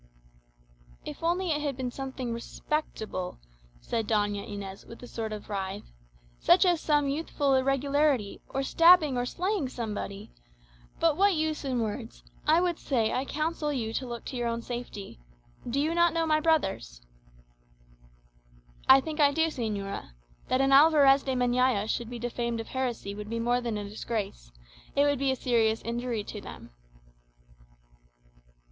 "If it had only been something respectable," said Doña Inez, with a sort of writhe, "such as some youthful irregularity, or stabbing or slaying somebody! but what use in words? I would say, I counsel you to look to your own safety. Do you not know my brothers?" "I think I do, señora. That an Alvarez de Meñaya should be defamed of heresy would be more than a disgrace it would be a serious injury to them."